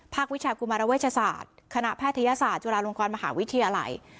วิชากุมารเวชศาสตร์คณะแพทยศาสตร์จุฬาลงกรมหาวิทยาลัย